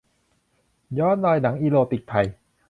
ย้อนรอยหนังอีโรติกไทย